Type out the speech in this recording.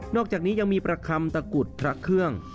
อกจากนี้ยังมีประคำตะกุดพระเครื่อง